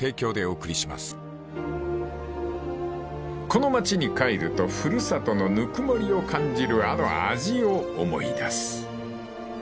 ［この町に帰ると古里のぬくもりを感じるあの味を思い出す］